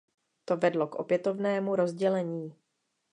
To vedlo k opětovnému rozdělení.